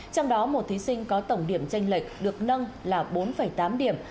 trong đó một thí sinh có tổng điểm tranh lệch được nâng là bốn tám điểm